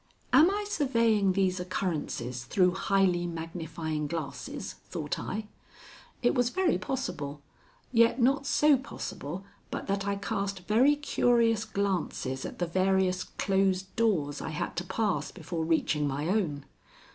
"Am I surveying these occurrences through highly magnifying glasses?" thought I. It was very possible, yet not so possible but that I cast very curious glances at the various closed doors I had to pass before reaching my own.